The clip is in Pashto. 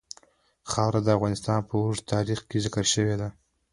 خاوره د افغانستان په اوږده تاریخ کې ذکر شوی دی.